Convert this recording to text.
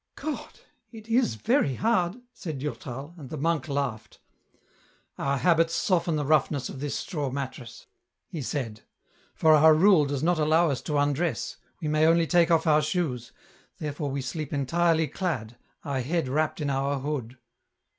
*' God ! it is very hard," said Durtal, and the monk .aughed. " Our habits soften the roughness of this straw mattress," u 290 EN ROUTE. he said ; "for our rule does not allow us to undress, we may only take off our shoes, therefore we sleep entirely clad, our head wrapped in our hood."